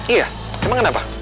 iya emang kenapa